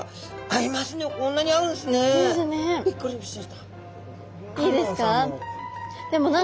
いいですか？